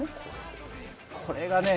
これがね